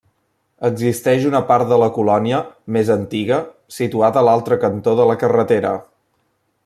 Existeix una part de la colònia, més antiga, situada a l'altre cantó de la carretera.